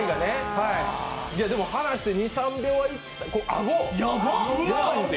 でも離して２３秒はアゴ！